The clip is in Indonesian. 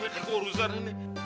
berapa urusan ini